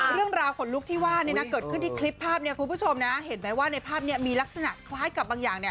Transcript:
เรื่องราวขนลุกที่ว่าเกิดขึ้นที่คลิปภาพคุณผู้ชมนะเห็นไหมว่าในภาพนี้มีลักษณะคล้ายกับบางอย่าง